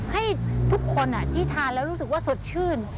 ให้ทุกคนที่ทานแล้วรู้สึกว่าสดชื่น